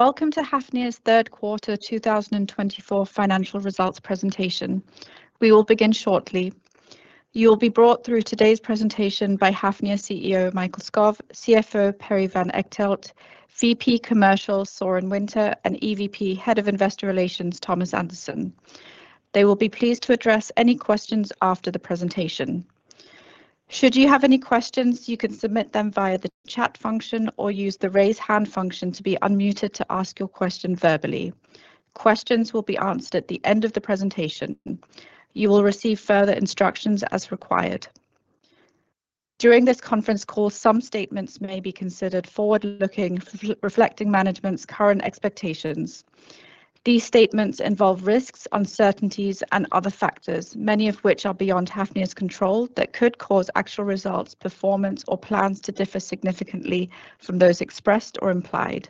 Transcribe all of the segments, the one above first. Welcome to Hafnia's Third Quarter 2024 Financial Results Presentation. We will begin shortly. You will be brought through today's presentation by Hafnia CEO Mikael Skov, CFO Perry Van Echtelt, VP Commercial Søren Winther, and EVP Head of Investor Relations Thomas Andersen. They will be pleased to address any questions after the presentation. Should you have any questions, you can submit them via the chat function or use the raise hand function to be unmuted to ask your question verbally. Questions will be answered at the end of the presentation. You will receive further instructions as required. During this conference call, some statements may be considered forward-looking, reflecting management's current expectations. These statements involve risks, uncertainties, and other factors, many of which are beyond Hafnia's control, that could cause actual results, performance, or plans to differ significantly from those expressed or implied.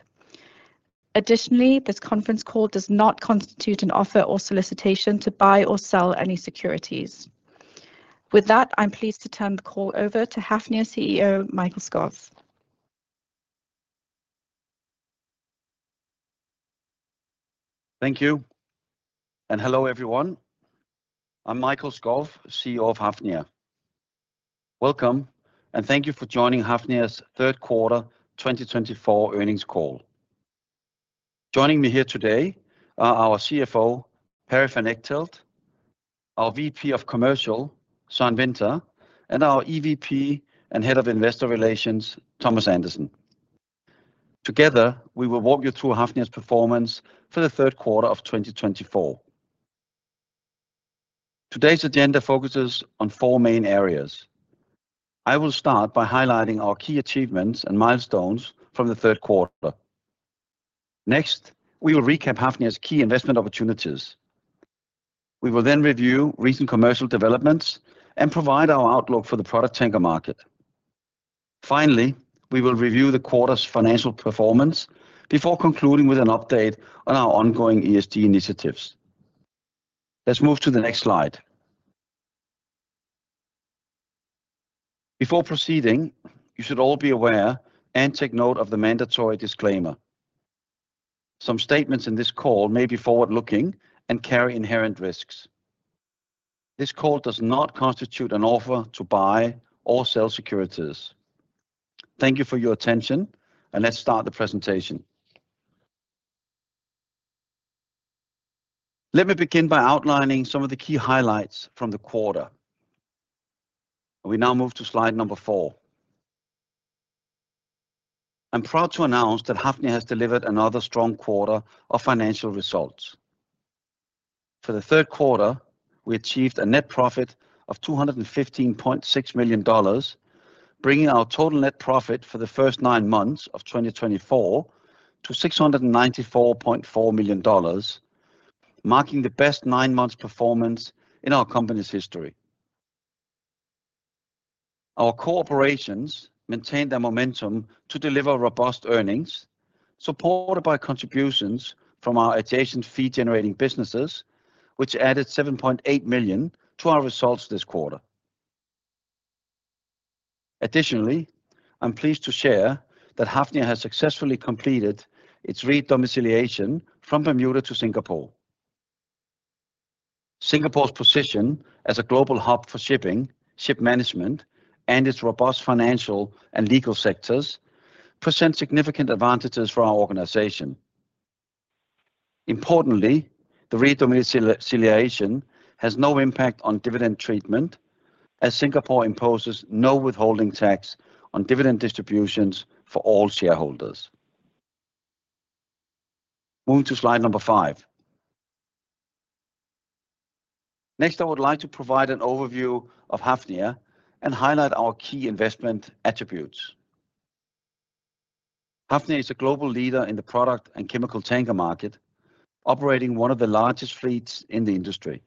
Additionally, this conference call does not constitute an offer or solicitation to buy or sell any securities. With that, I'm pleased to turn the call over to Hafnia CEO Mikael Skov. Thank you. And hello, everyone. I'm Mikael Skov, CEO of Hafnia. Welcome, and thank you for joining Hafnia's third quarter 2024 earnings call. Joining me here today are our CFO Perry Van Echtelt, our VP of Commercial Søren Winther, and our EVP and Head of Investor Relations Thomas Andersen. Together, we will walk you through Hafnia's performance for the third quarter of 2024. Today's agenda focuses on four main areas. I will start by highlighting our key achievements and milestones from the third quarter. Next, we will recap Hafnia's key investment opportunities. We will then review recent commercial developments and provide our outlook for the product tank market. Finally, we will review the quarter's financial performance before concluding with an update on our ongoing ESG initiatives. Let's move to the next slide. Before proceeding, you should all be aware and take note of the mandatory disclaimer. Some statements in this call may be forward-looking and carry inherent risks. This call does not constitute an offer to buy or sell securities. Thank you for your attention, and let's start the presentation. Let me begin by outlining some of the key highlights from the quarter. We now move to slide number four. I'm proud to announce that Hafnia has delivered another strong quarter of financial results. For the third quarter, we achieved a net profit of $215.6 million, bringing our total net profit for the first nine months of 2024 to $694.4 million, marking the best nine months' performance in our company's history. Our core operations maintained their momentum to deliver robust earnings, supported by contributions from our adjacent fee-generating businesses, which added $7.8 million to our results this quarter. Additionally, I'm pleased to share that Hafnia has successfully completed its re-domiciliation from Bermuda to Singapore. Singapore's position as a global hub for shipping, ship management, and its robust financial and legal sectors presents significant advantages for our organization. Importantly, the re-domiciliation has no impact on dividend treatment, as Singapore imposes no withholding tax on dividend distributions for all shareholders. Moving to slide number five. Next, I would like to provide an overview of Hafnia and highlight our key investment attributes. Hafnia is a global leader in the product and chemical tanker market, operating one of the largest fleets in the industry.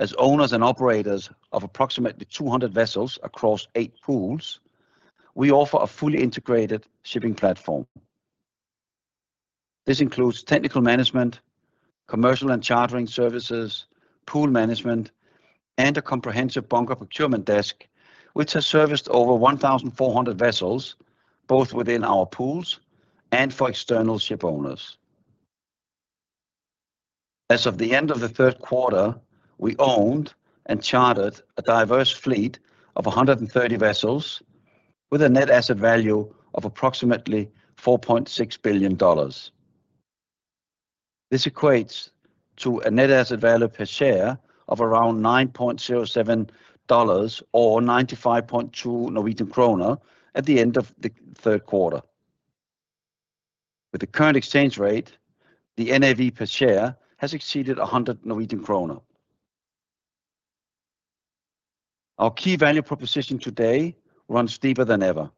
As owners and operators of approximately 200 vessels across eight pools, we offer a fully integrated shipping platform. This includes technical management, commercial and chartering services, pool management, and a comprehensive bunker procurement desk, which has serviced over 1,400 vessels, both within our pools and for external ship owners. As of the end of the third quarter, we owned and chartered a diverse fleet of 130 vessels with a net asset value of approximately $4.6 billion. This equates to a net asset value per share of around $9.07 or 95.2 Norwegian kroner at the end of the third quarter. With the current exchange rate, the NAV per share has exceeded 100 Norwegian kroner. Our key value proposition today runs deeper than ever.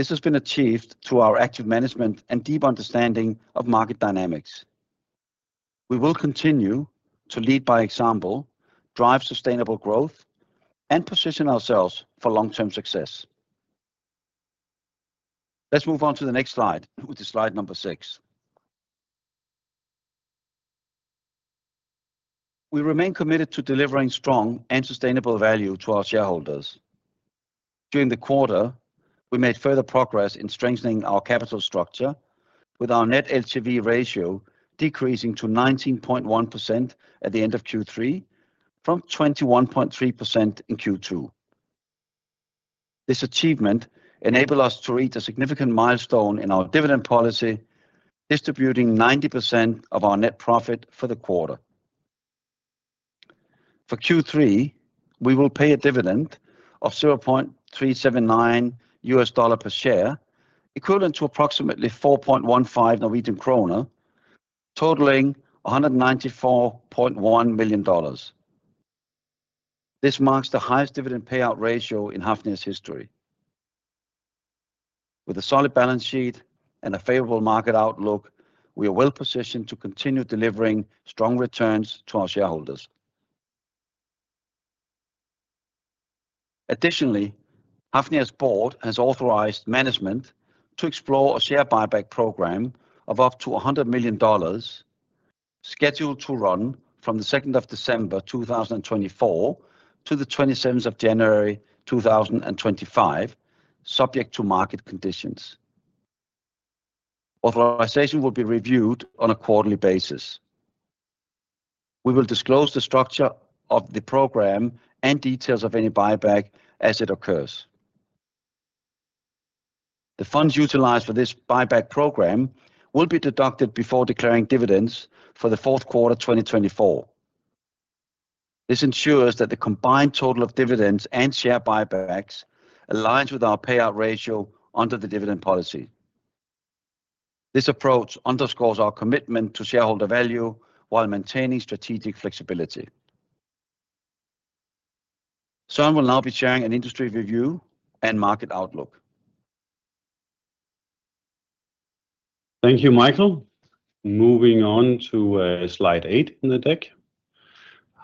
This has been achieved through our active management and deep understanding of market dynamics. We will continue to lead by example, drive sustainable growth, and position ourselves for long-term success. Let's move on to the next slide with slide number six. We remain committed to delivering strong and sustainable value to our shareholders. During the quarter, we made further progress in strengthening our capital structure, with our Net LTV ratio decreasing to 19.1% at the end of Q3 from 21.3% in Q2. This achievement enabled us to reach a significant milestone in our dividend policy, distributing 90% of our net profit for the quarter. For Q3, we will pay a dividend of $0.379 per share, equivalent to approximately 4.15 Norwegian kroner, totaling $194.1 million. This marks the highest dividend payout ratio in Hafnia's history. With a solid balance sheet and a favorable market outlook, we are well positioned to continue delivering strong returns to our shareholders. Additionally, Hafnia's board has authorized management to explore a share buyback program of up to $100 million, scheduled to run from the 2nd of December 2024 to the 27th of January 2025, subject to market conditions. Authorization will be reviewed on a quarterly basis. We will disclose the structure of the program and details of any buyback as it occurs. The funds utilized for this buyback program will be deducted before declaring dividends for the fourth quarter 2024. This ensures that the combined total of dividends and share buybacks aligns with our payout ratio under the dividend policy. This approach underscores our commitment to shareholder value while maintaining strategic flexibility. Søren will now be sharing an industry review and market outlook. Thank you, Mikael. Moving on to slide eight in the deck.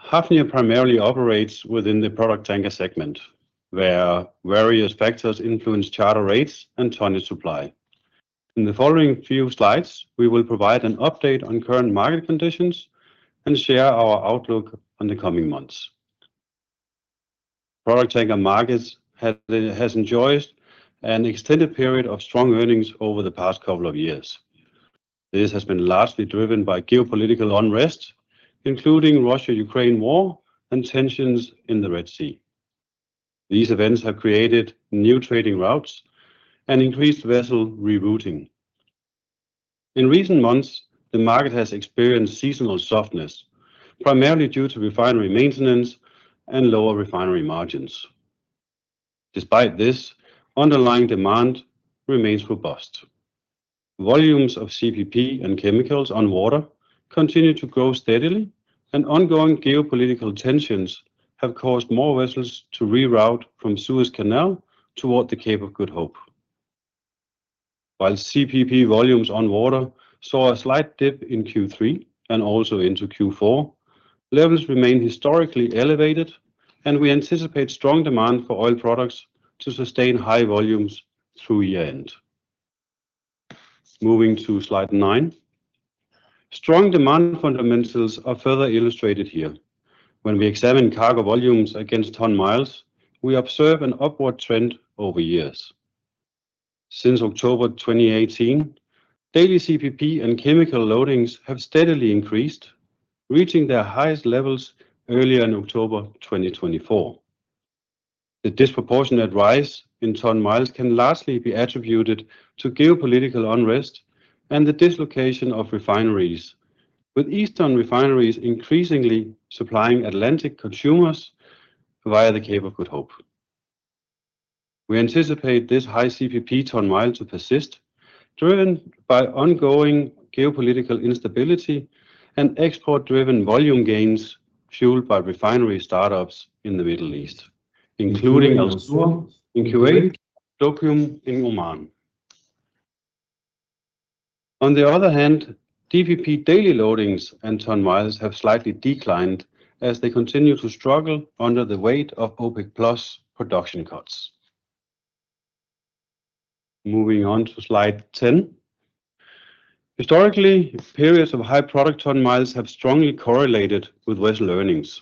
Hafnia primarily operates within the product tanker segment, where various factors influence charter rates and tonnage supply. In the following few slides, we will provide an update on current market conditions and share our outlook on the coming months. Product tanker market has enjoyed an extended period of strong earnings over the past couple of years. This has been largely driven by geopolitical unrest, including the Russia-Ukraine war and tensions in the Red Sea. These events have created new trading routes and increased vessel rerouting. In recent months, the market has experienced seasonal softness, primarily due to refinery maintenance and lower refinery margins. Despite this, underlying demand remains robust. Volumes of CPP and chemicals on water continue to grow steadily, and ongoing geopolitical tensions have caused more vessels to reroute from Suez Canal toward the Cape of Good Hope. While CPP volumes on water saw a slight dip in Q3 and also into Q4, levels remain historically elevated, and we anticipate strong demand for oil products to sustain high volumes through year-end. Moving to slide nine, strong demand fundamentals are further illustrated here. When we examine cargo volumes against ton miles, we observe an upward trend over years. Since October 2018, daily CPP and chemical loadings have steadily increased, reaching their highest levels earlier in October 2024. The disproportionate rise in ton miles can largely be attributed to geopolitical unrest and the dislocation of refineries, with Eastern refineries increasingly supplying Atlantic consumers via the Cape of Good Hope. We anticipate this high CPP ton mile to persist, driven by ongoing geopolitical instability and export-driven volume gains fueled by refinery startups in the Middle East, including Al-Zour in Kuwait and Duqm in Oman. On the other hand, DPP daily loadings and ton miles have slightly declined as they continue to struggle under the weight of OPEC Plus production cuts. Moving on to slide 10. Historically, periods of high product ton miles have strongly correlated with vessel earnings.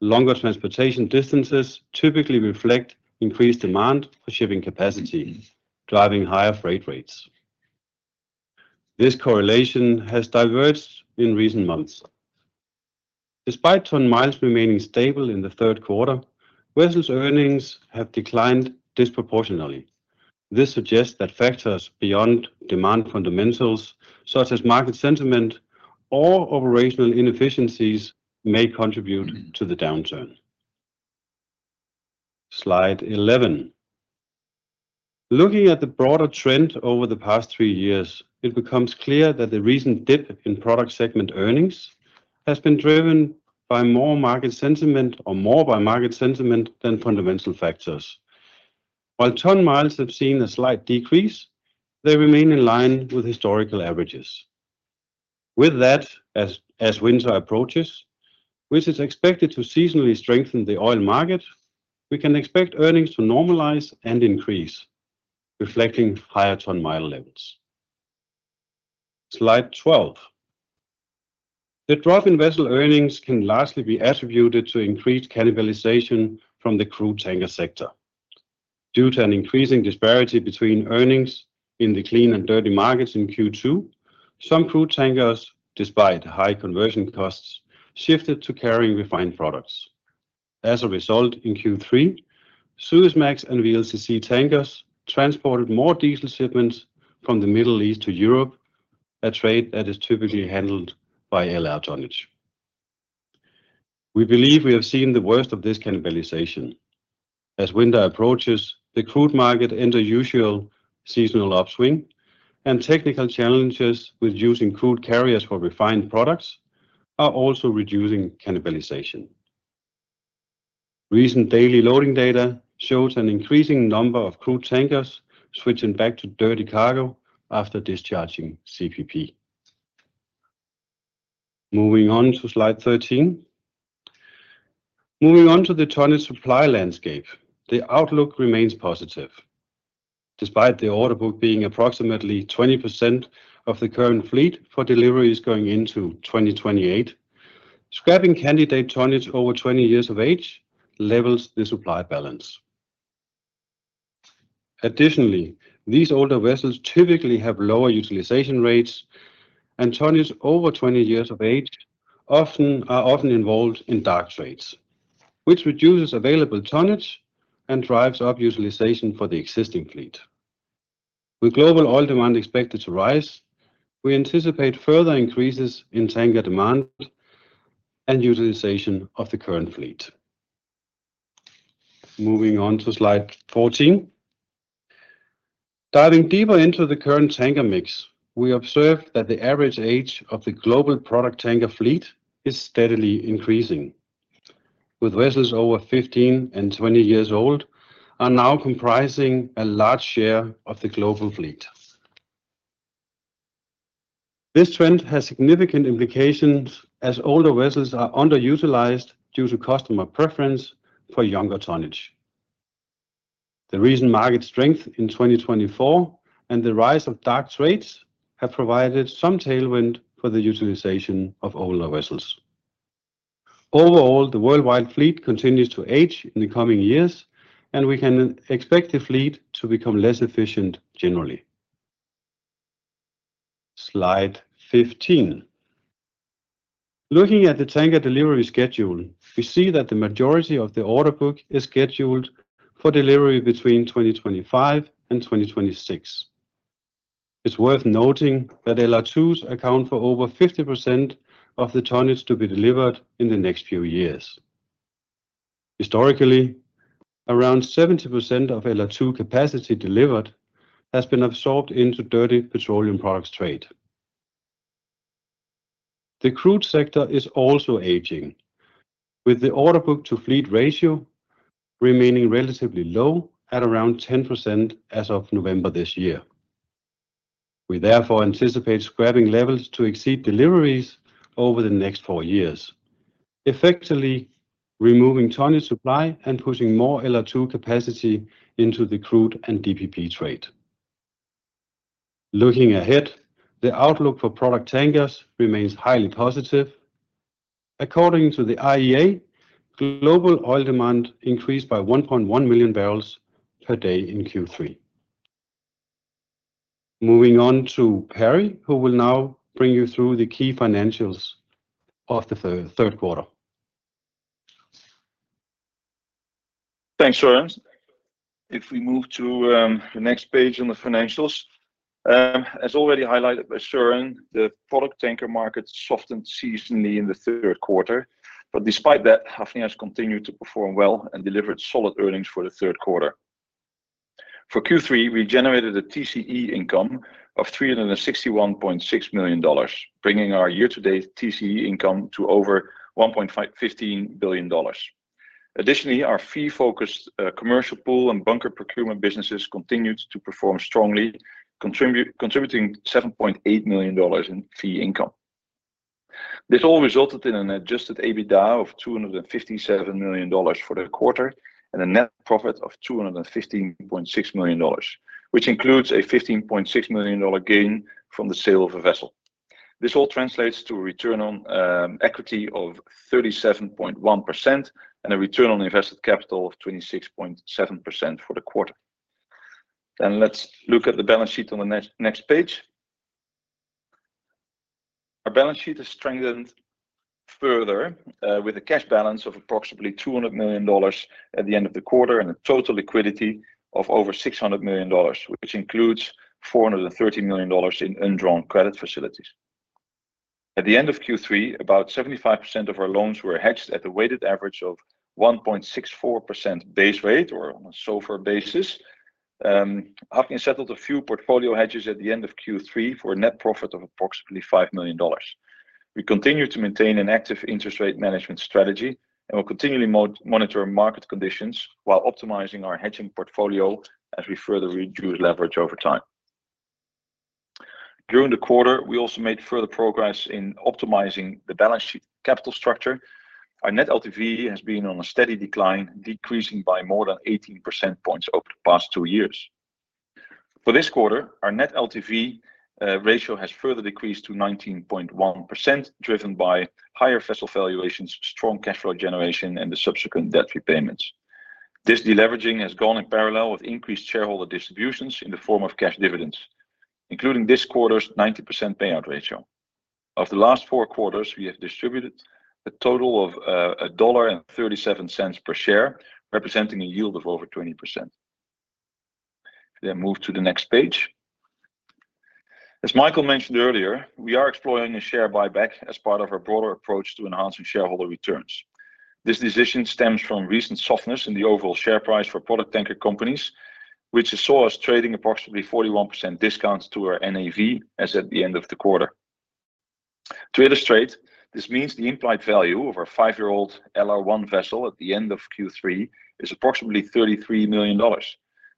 Longer transportation distances typically reflect increased demand for shipping capacity, driving higher freight rates. This correlation has diverged in recent months. Despite ton miles remaining stable in the third quarter, vessels' earnings have declined disproportionately. This suggests that factors beyond demand fundamentals, such as market sentiment or operational inefficiencies, may contribute to the downturn. Slide 11. Looking at the broader trend over the past three years, it becomes clear that the recent dip in product segment earnings has been driven more by market sentiment than fundamental factors. While ton miles have seen a slight decrease, they remain in line with historical averages. With that, as winter approaches, which is expected to seasonally strengthen the oil market, we can expect earnings to normalize and increase, reflecting higher ton mile levels. Slide 12. The drop in vessel earnings can largely be attributed to increased cannibalization from the crude tanker sector. Due to an increasing disparity between earnings in the clean and dirty markets in Q2, some crude tankers, despite high conversion costs, shifted to carrying refined products. As a result, in Q3, Suezmax and VLCC tankers transported more diesel shipments from the Middle East to Europe, a trade that is typically handled by LR tonnage. We believe we have seen the worst of this cannibalization. As winter approaches, the crude market enters usual seasonal upswing, and technical challenges with using crude carriers for refined products are also reducing cannibalization. Recent daily loading data showed an increasing number of crude tankers switching back to dirty cargo after discharging CPP. Moving on to slide 13. Moving on to the tonnage supply landscape, the outlook remains positive. Despite the order book being approximately 20% of the current fleet for deliveries going into 2028, scrapping candidate tonnage over 20 years of age levels the supply balance. Additionally, these older vessels typically have lower utilization rates, and tonnage over 20 years of age are often involved in dark trades, which reduces available tonnage and drives up utilization for the existing fleet. With global oil demand expected to rise, we anticipate further increases in tanker demand and utilization of the current fleet. Moving on to slide 14. Diving deeper into the current tanker mix, we observe that the average age of the global product tanker fleet is steadily increasing, with vessels over 15 and 20 years old now comprising a large share of the global fleet. This trend has significant implications as older vessels are underutilized due to customer preference for younger tonnage. The recent market strength in 2024 and the rise of dark trades have provided some tailwind for the utilization of older vessels. Overall, the worldwide fleet continues to age in the coming years, and we can expect the fleet to become less efficient generally. Slide 15. Looking at the tanker delivery schedule, we see that the majority of the order book is scheduled for delivery between 2025 and 2026. It's worth noting that LR2s account for over 50% of the tonnage to be delivered in the next few years. Historically, around 70% of LR2 capacity delivered has been absorbed into dirty petroleum products trade. The crude sector is also aging, with the order book-to-fleet ratio remaining relatively low at around 10% as of November this year. We therefore anticipate scrapping levels to exceed deliveries over the next four years, effectively removing tonnage supply and pushing more LR2 capacity into the crude and DPP trade. Looking ahead, the outlook for product tankers remains highly positive. According to the IEA, global oil demand increased by 1.1 million barrels per day in Q3. Moving on to Perry, who will now bring you through the key financials of the third quarter. Thanks, Søren. If we move to the next page on the financials, as already highlighted by Søren, the product tanker market softened seasonally in the third quarter. But despite that, Hafnia has continued to perform well and delivered solid earnings for the third quarter. For Q3, we generated a TCE income of $361.6 million, bringing our year-to-date TCE income to over $1.15 billion. Additionally, our fee-focused commercial pool and bunker procurement businesses continued to perform strongly, contributing $7.8 million in fee income. This all resulted in an adjusted EBITDA of $257 million for the quarter and a net profit of $215.6 million, which includes a $15.6 million gain from the sale of a vessel. This all translates to a return on equity of 37.1% and a return on invested capital of 26.7% for the quarter. And let's look at the balance sheet on the next page. Our balance sheet has strengthened further with a cash balance of approximately $200 million at the end of the quarter and a total liquidity of over $600 million, which includes $430 million in undrawn credit facilities. At the end of Q3, about 75% of our loans were hedged at a weighted average of 1.64% base rate or on a SOFR basis. Hafnia settled a few portfolio hedges at the end of Q3 for a net profit of approximately $5 million. We continue to maintain an active interest rate management strategy and will continually monitor market conditions while optimizing our hedging portfolio as we further reduce leverage over time. During the quarter, we also made further progress in optimizing the balance sheet capital structure. Our Net LTV has been on a steady decline, decreasing by more than 18 percentage points over the past two years. For this quarter, our Net LTV ratio has further decreased to 19.1%, driven by higher vessel valuations, strong cash flow generation, and the subsequent debt repayments. This deleveraging has gone in parallel with increased shareholder distributions in the form of cash dividends, including this quarter's 90% payout ratio. Of the last four quarters, we have distributed a total of $1.37 per share, representing a yield of over 20%. Then move to the next page. As Mikael mentioned earlier, we are implementing a share buyback as part of our broader approach to enhancing shareholder returns. This decision stems from recent softness in the overall share price for product tanker companies, which has seen us trading at approximately a 41% discount to our NAV as at the end of the quarter. To illustrate, this means the implied value of our five-year-old LR1 vessel at the end of Q3 is approximately $33 million.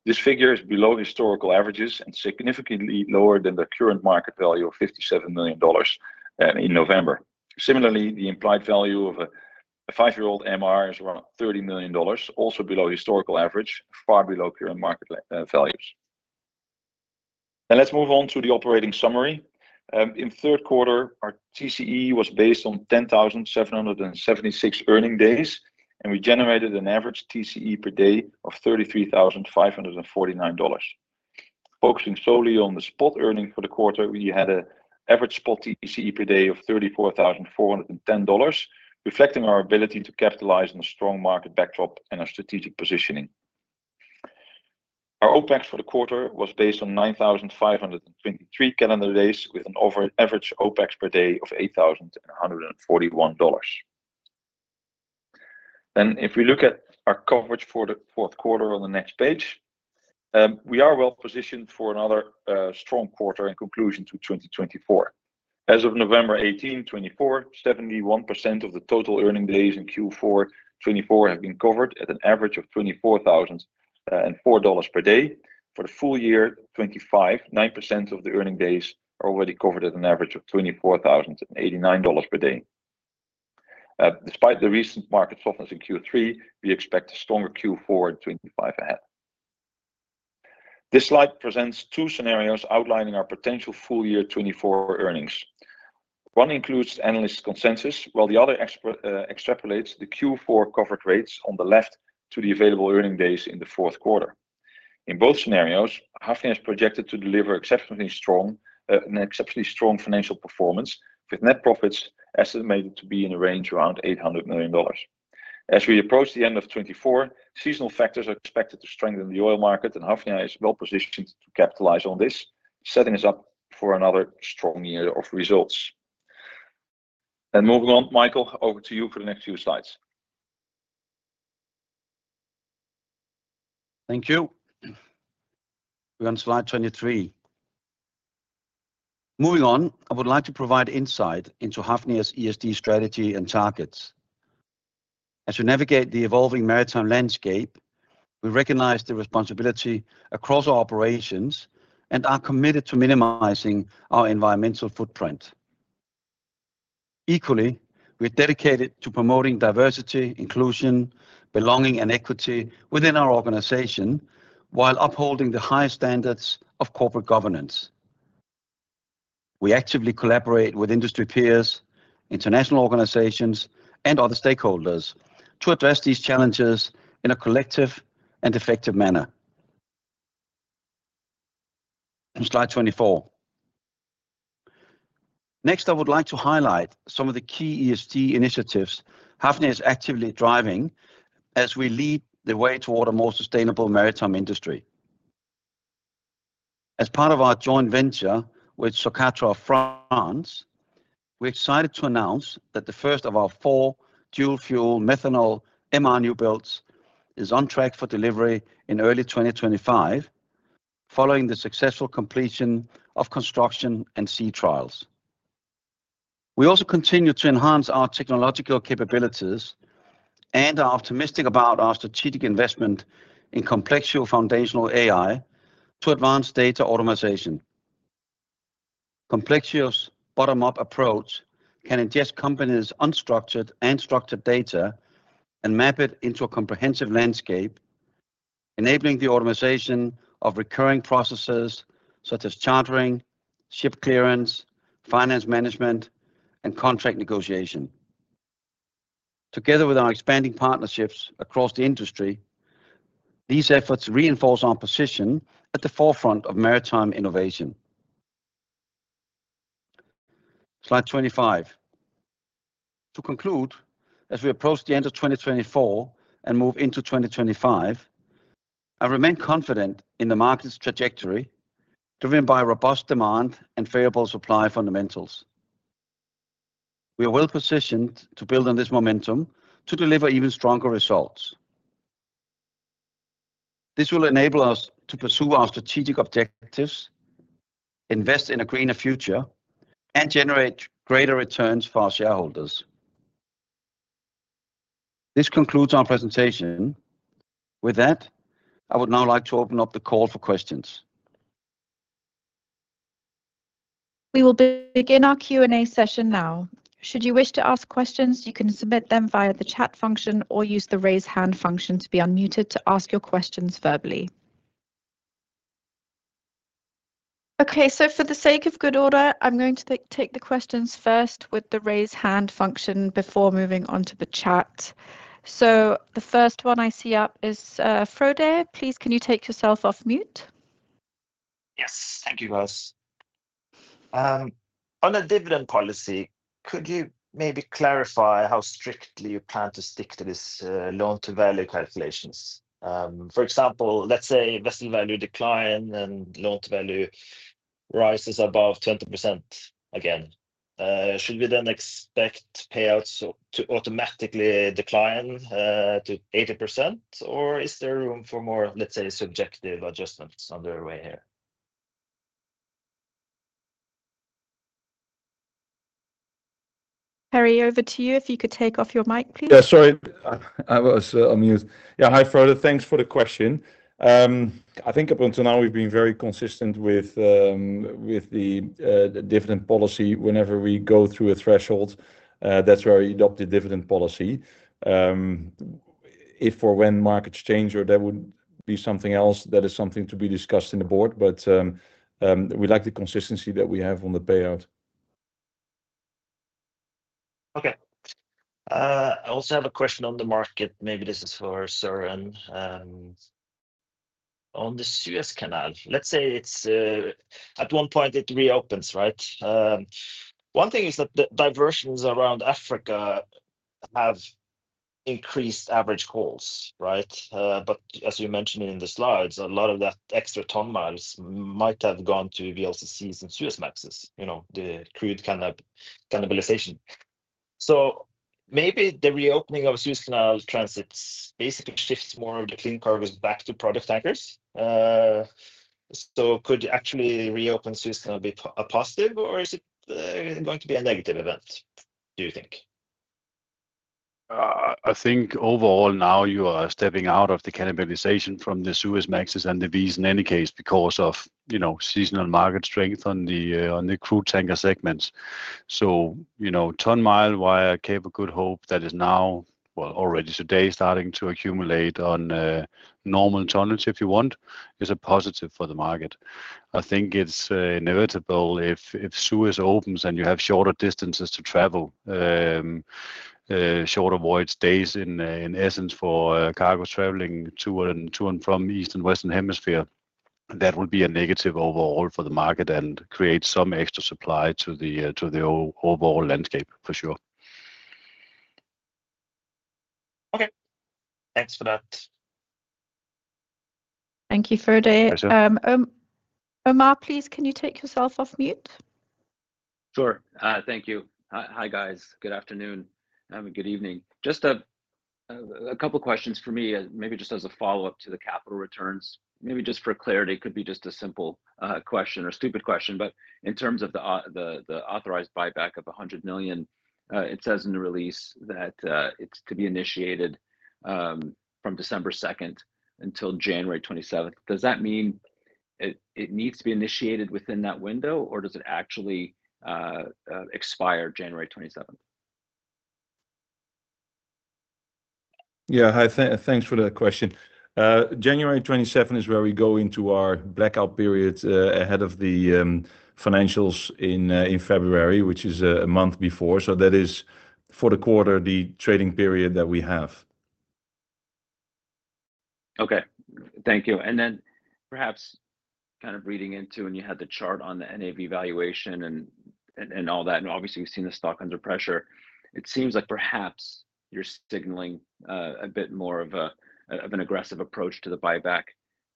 This figure is below historical averages and significantly lower than the current market value of $57 million in November. Similarly, the implied value of a five-year-old MR is around $30 million, also below historical average, far below current market values. Let's move on to the operating summary. In third quarter, our TCE was based on 10,776 earning days, and we generated an average TCE per day of $33,549. Focusing solely on the spot earning for the quarter, we had an average spot TCE per day of $34,410, reflecting our ability to capitalize on a strong market backdrop and our strategic positioning. Our OPEX for the quarter was based on 9,523 calendar days, with an average OPEX per day of $8,141. If we look at our coverage for the fourth quarter on the next page, we are well positioned for another strong quarter in conclusion to 2024. As of November 18, 2024, 71% of the total earning days in Q4 2024 have been covered at an average of $24,004 per day. For the full year 2025, 9% of the earning days are already covered at an average of $24,089 per day. Despite the recent market softness in Q3, we expect a stronger Q4 and 2025 ahead. This slide presents two scenarios outlining our potential full year 2024 earnings. One includes analyst consensus, while the other extrapolates the Q4 covered rates on the left to the available earning days in the fourth quarter. In both scenarios, Hafnia is projected to deliver an exceptionally strong financial performance, with net profits estimated to be in the range around $800 million. As we approach the end of 2024, seasonal factors are expected to strengthen the oil market, and Hafnia is well positioned to capitalize on this, setting us up for another strong year of results, and moving on, Mikael, over to you for the next few slides. Thank you. We're on slide 23. Moving on, I would like to provide insight into Hafnia's ESG strategy and targets. As we navigate the evolving maritime landscape, we recognize the responsibility across our operations and are committed to minimizing our environmental footprint. Equally, we are dedicated to promoting diversity, inclusion, belonging, and equity within our organization while upholding the highest standards of corporate governance. We actively collaborate with industry peers, international organizations, and other stakeholders to address these challenges in a collective and effective manner. Slide 24. Next, I would like to highlight some of the key ESG initiatives Hafnia is actively driving as we lead the way toward a more sustainable maritime industry. As part of our joint venture with Socatra France, we're excited to announce that the first of our four dual-fuel methanol MR new builds is on track for delivery in early 2025, following the successful completion of construction and sea trials. We also continue to enhance our technological capabilities and are optimistic about our strategic investment in Complexio foundational AI to advance data automation. Complexio's bottom-up approach can ingest companies' unstructured and structured data and map it into a comprehensive landscape, enabling the automation of recurring processes such as chartering, ship clearance, finance management, and contract negotiation. Together with our expanding partnerships across the industry, these efforts reinforce our position at the forefront of maritime innovation. Slide 25. To conclude, as we approach the end of 2024 and move into 2025, I remain confident in the market's trajectory driven by robust demand and variable supply fundamentals. We are well positioned to build on this momentum to deliver even stronger results. This will enable us to pursue our strategic objectives, invest in a greener future, and generate greater returns for our shareholders. This concludes our presentation. With that, I would now like to open up the call for questions. We will begin our Q&A session now. Should you wish to ask questions, you can submit them via the chat function or use the raise hand function to be unmuted to ask your questions verbally. Okay, so for the sake of good order, I'm going to take the questions first with the raise hand function before moving on to the chat. So the first one I see up is Frode. Please, can you take yourself off mute? Yes, thank you, guys. On a dividend policy, could you maybe clarify how strictly you plan to stick to these loan-to-value calculations? For example, let's say vessel value declines and loan-to-value rises above 20% again. Should we then expect payouts to automatically decline to 80%, or is there room for more, let's say, subjective adjustments on their way here? Perry, over to you. If you could take off your mic. Yeah, sorry, I was unmuted. Yeah, hi, Frode. Thanks for the question. I think up until now, we've been very consistent with the dividend policy. Whenever we go through a threshold, that's where we adopt the dividend policy. If or when markets change, or there would be something else, that is something to be discussed in the board, but we like the consistency that we have on the payout. Okay. I also have a question on the market. Maybe this is for Søren. On the Suez Canal, let's say it's at one point it reopens, right? One thing is that the diversions around Africa have increased average calls, right? But as you mentioned in the slides, a lot of that extra ton miles might have gone to VLCCs and Suezmaxes, the crude cannibalization. So maybe the reopening of Suez Canal transits basically shifts more of the clean cargoes back to product tankers. So could actually reopen Suez Canal be a positive, or is it going to be a negative event, do you think? I think overall now you are stepping out of the cannibalization from the Suezmaxes and the V's in any case because of seasonal market strength on the crude tanker segments. So ton-mile via Cape of Good Hope that is now, well, already today starting to accumulate on normal tonnage, if you want, is a positive for the market. I think it's inevitable if Suez opens and you have shorter distances to travel, shorter voyage days in essence for cargo traveling to and from the East and Western Hemisphere. That would be a negative overall for the market and create some extra supply to the overall landscape, for sure. Okay. Thanks for that. Thank you, Frode. Omar, please, can you take yourself off mute? Sure. Thank you. Hi, guys. Good afternoon and good evening. Just a couple of questions for me, maybe just as a follow-up to the capital returns. Maybe just for clarity, it could be just a simple question or stupid question, but in terms of the authorized buyback of $100 million, it says in the release that it's to be initiated from December 2nd until January 27th. Does that mean it needs to be initiated within that window, or does it actually expire January 27th? Yeah, thanks for the question. January 27th is where we go into our blackout period ahead of the financials in February, which is a month before. So that is for the quarter, the trading period that we have. Okay. Thank you. And then perhaps kind of reading into when you had the chart on the NAV valuation and all that, and obviously we've seen the stock under pressure. It seems like perhaps you're signaling a bit more of an aggressive approach to the buyback.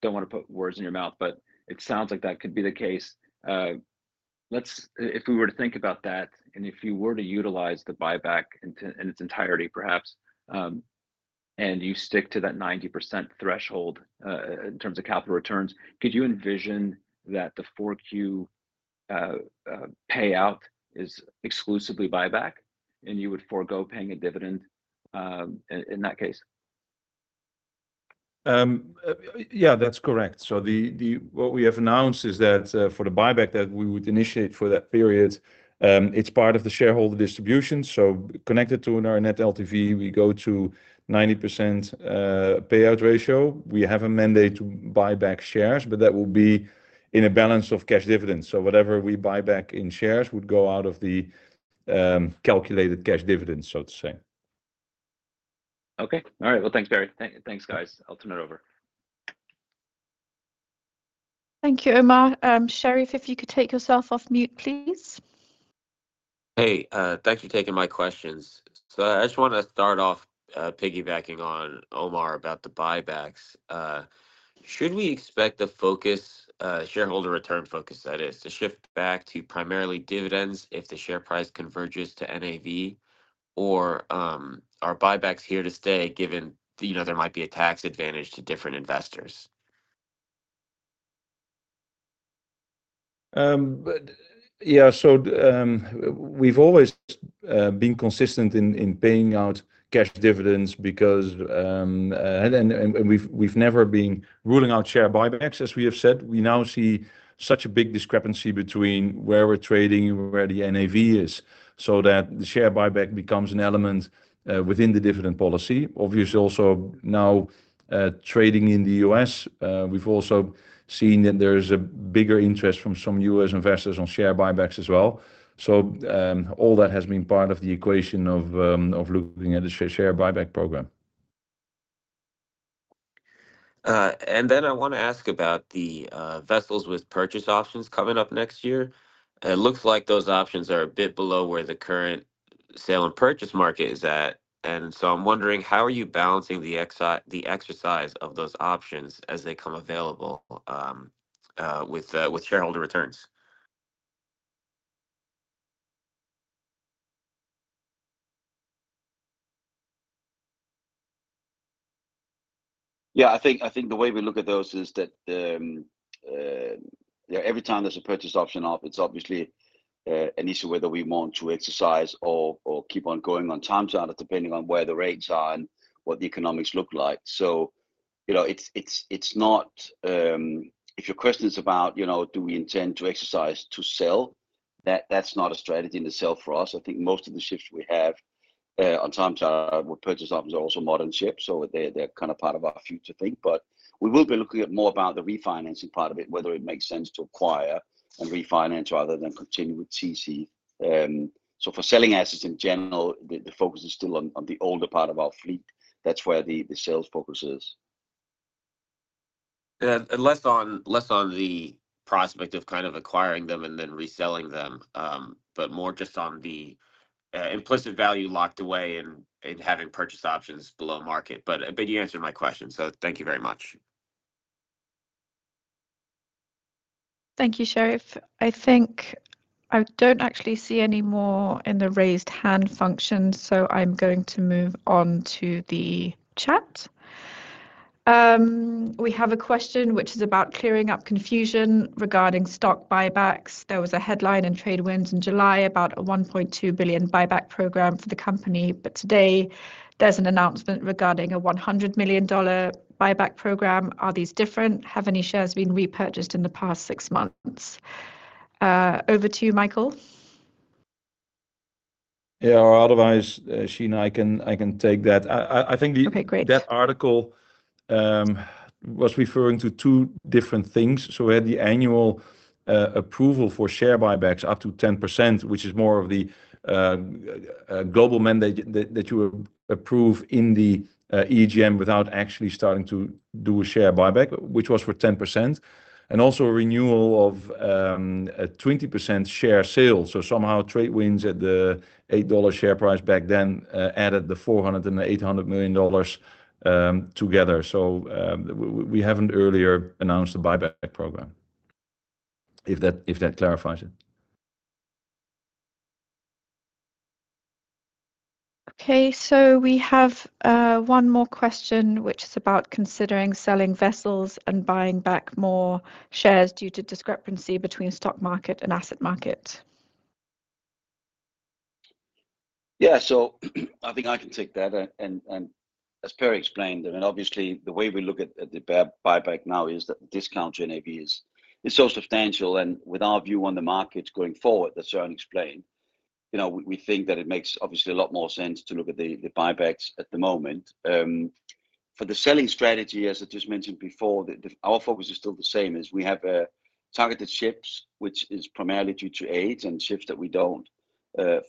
Don't want to put words in your mouth, but it sounds like that could be the case. If we were to think about that, and if you were to utilize the buyback in its entirety, perhaps, and you stick to that 90% threshold in terms of capital returns, could you envision that the 4Q payout is exclusively buyback and you would forego paying a dividend in that case? Yeah, that's correct. So what we have announced is that for the buyback that we would initiate for that period, it's part of the shareholder distribution. So connected to our Net LTV, we go to 90% payout ratio. We have a mandate to buy back shares, but that will be in a balance of cash dividends. So whatever we buy back in shares would go out of the calculated cash dividends, so to say. Okay. All right. Well, thanks, Perry. Thanks, guys. I'll turn it over. Thank you, Omar. Sherif, if you could take yourself off mute, please. Hey, thanks for taking my questions. So I just want to start off piggybacking on Omar about the buybacks. Should we expect the focus, shareholder return focus, that is, to shift back to primarily dividends if the share price converges to NAV, or are buybacks here to stay given there might be a tax advantage to different investors? Yeah, so we've always been consistent in paying out cash dividends because we've never been ruling out share buybacks, as we have said. We now see such a big discrepancy between where we're trading and where the NAV is, so that the share buyback becomes an element within the dividend policy. Obviously, also now trading in the US, we've also seen that there is a bigger interest from some US investors on share buybacks as well. So all that has been part of the equation of looking at the share buyback program. And then I want to ask about the vessels with purchase options coming up next year. It looks like those options are a bit below where the current sale and purchase market is at. And so I'm wondering, how are you balancing the exercise of those options as they come available with shareholder returns? Yeah, I think the way we look at those is that every time there's a purchase option up, it's obviously an issue whether we want to exercise or keep on going on time charter depending on where the rates are and what the economics look like. So it's not if your question is about, do we intend to exercise to sell, that's not a strategy in itself for us. I think most of the ships we have on time charter with purchase options are also modern ships, so they're kind of part of our future thing. But we will be looking at more about the refinancing part of it, whether it makes sense to acquire and refinance rather than continue with TC. So for selling assets in general, the focus is still on the older part of our fleet. That's where the sales focus is. Yeah, less on the prospect of kind of acquiring them and then reselling them, but more just on the implicit value locked away and having purchase options below market. But you answered my question, so thank you very much. Thank you, Sherif. I think I don't actually see any more in the raised hand function, so I'm going to move on to the chat. We have a question which is about clearing up confusion regarding stock buybacks. There was a headline in TradeWinds in July about a $1.2 billion buyback program for the company. But today, there's an announcement regarding a $100 million buyback program. Are these different? Have any shares been repurchased in the past six months? Over to you, Mikael. Yeah, otherwise, she and I can take that. I think that article was referring to two different things. So we had the annual approval for share buybacks up to 10%, which is more of the global mandate that you approve in the EGM without actually starting to do a share buyback, which was for 10%. And also renewal of a 20% share sale. So somehow TradeWinds at the $8 share price back then added the $400 and the $800 million together. So we haven't earlier announced a buyback program, if that clarifies it. Okay, so we have one more question, which is about considering selling vessels and buying back more shares due to discrepancy between stock market and asset market. Yeah, so I think I can take that. And as Perry explained, I mean, obviously, the way we look at the buyback now is that the discount to NAV is so substantial. And with our view on the markets going forward, that's why I explained. We think that it makes obviously a lot more sense to look at the buybacks at the moment. For the selling strategy, as I just mentioned before, our focus is still the same, is we have targeted ships, which is primarily due to age and ships that we don't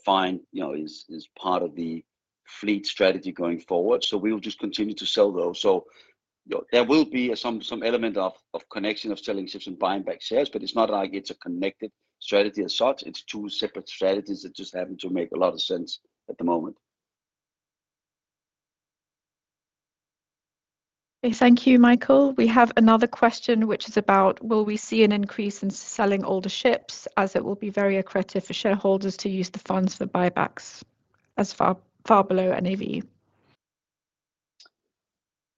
find is part of the fleet strategy going forward. So we will just continue to sell those. So there will be some element of connection of selling ships and buying back shares, but it's not like it's a connected strategy as such. It's two separate strategies that just happen to make a lot of sense at the moment. Thank you, Mikael. We have another question, which is about, will we see an increase in selling older ships as it will be very accretive for shareholders to use the funds for buybacks as far below NAV?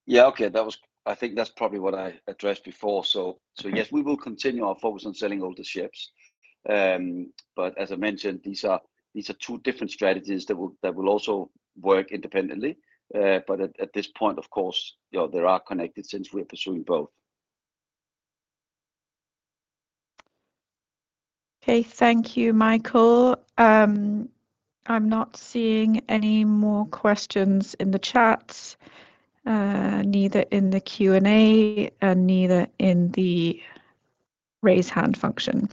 Yeah, okay. I think that's probably what I addressed before. So yes, we will continue our focus on selling older ships. But as I mentioned, these are two different strategies that will also work independently. But at this point, of course, they are connected since we are pursuing both. Okay, thank you, Mikael. I'm not seeing any more questions in the chats, neither in the Q&A and neither in the raised hand function.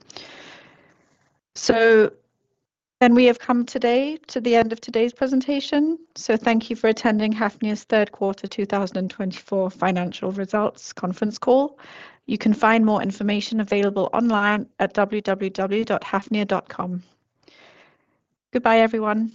So then we have come today to the end of today's presentation. So thank you for attending Hafnia's Third Quarter 2024 Financial Results Conference Call. You can find more information available online at www.hafnia.com. Goodbye, everyone.